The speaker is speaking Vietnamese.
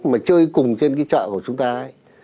mà chơi cùng trên cái chợ của chúng ta ấy